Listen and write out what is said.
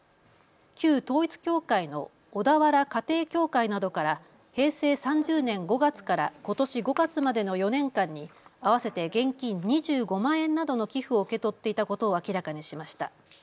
旧統一教会の小田原家庭教会などから平成３０年５月からことし５月までの４年間に合わせて現金２５万円などの寄付を受け取っていたことを明らかにしました。